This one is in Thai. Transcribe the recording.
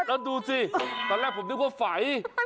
แล้วดูสิตอนแรกผมนึกว่าไฟ